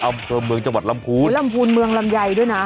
เมืองจังหวัดลำภูนอ๋อลำภูนเมืองลำไยด้วยนะ